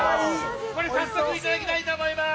これ早速いただきたいと思います。